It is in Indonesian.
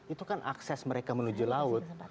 itu kan akses mereka menuju laut